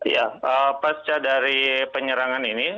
ya pasca dari penyerangan ini